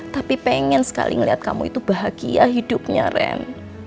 tapi pengen sekali melihat kamu itu bahagia hidupnya ren